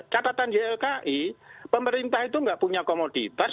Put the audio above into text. catatan ylki pemerintah itu nggak punya komoditas